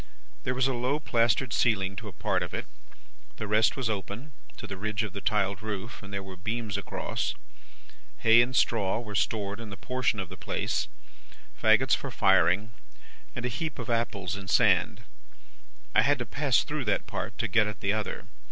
There was a low plastered ceiling to a part of it; the rest was open, to the ridge of the tiled roof, and there were beams across. Hay and straw were stored in that portion of the place, fagots for firing, and a heap of apples in sand. I had to pass through that part, to get at the other.